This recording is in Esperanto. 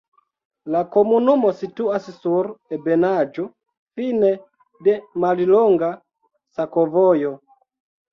La komunumo situas sur ebenaĵo, fine de mallonga sakovojo.